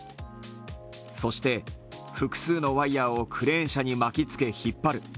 そして、複数のワイヤーをクレーン車に巻きつけ引っ張る。